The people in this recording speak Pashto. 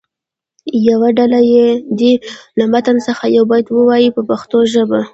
یوه ډله دې له متن څخه یو بیت ووایي په پښتو ژبه.